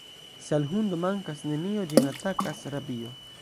Se al hundo mankas nenio, ĝin atakas rabio.